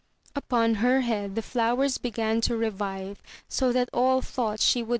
Upon her head the ' flowers began to revive so that all thought she would .